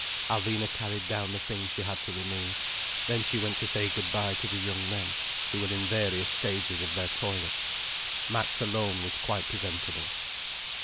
Alvina carried down the things she had to remove. Then she went to say good bye to the young men, who were in various stages of their toilet. Max alone was quite presentable.